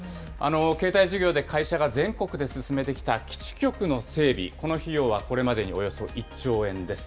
携帯事業で会社が全国で進めてきた基地局の整備、この費用はこれまでにおよそ１兆円です。